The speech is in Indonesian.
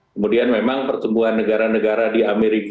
kemudian memang pertumbuhan negara negara di amerika